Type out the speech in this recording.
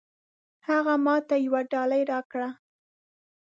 هغه ماته يوه ډالۍ راکړه.